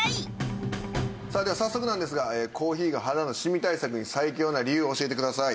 さあでは早速なんですがコーヒーが肌のシミ対策に最強な理由教えてください。